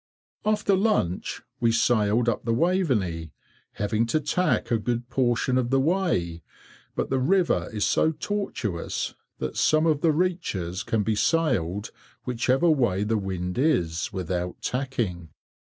After lunch, we sailed up the Waveney, having to tack a good portion of the way; but the river is so tortuous that some of the reaches can be sailed whichever way the wind is, without tacking.